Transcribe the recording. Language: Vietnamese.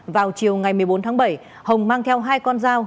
vào chiều ngày một mươi bốn tháng bảy hồng mang theo hai con dao